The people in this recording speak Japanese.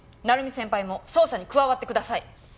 鳴海先輩も捜査に加わってください。